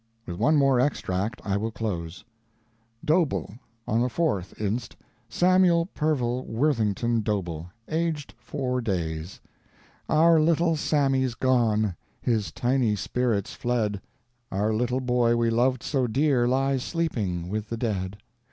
With one more extract I will close: Doble. On the 4th inst., Samuel Pervil Worthington Doble, aged 4 days. Our little Sammy's gone, His tiny spirit's fled; Our little boy we loved so dear Lies sleeping with the dead.